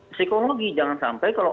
psikologi jangan sampai kalau